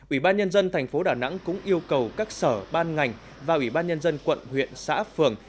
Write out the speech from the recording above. ủy ban nhân dân thành phố đà nẵng cũng yêu cầu các sở ban ngành và ủy ban nhân dân quận huyện xã phường